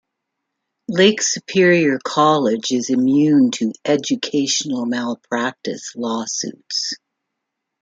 Lake Superior College is immune to "Educational Malpractice" lawsuits.